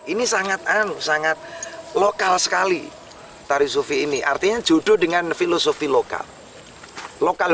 ini sangat anu sangat lokal sekali tari sufi ini artinya judul dengan filosofi lokal